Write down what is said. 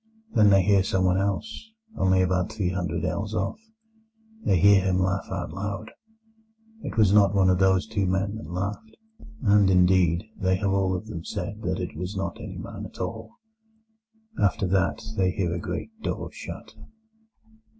Then they hear someone else, only about three hundred ells off. They hear him laugh out loud: it was not one of those two men that laughed, and, indeed, they have all of them said that it was not any man at all. After that they hear a great door shut.